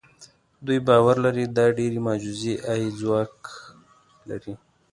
دوی باور لري دا ډبرې معجزه اي ځواک لري.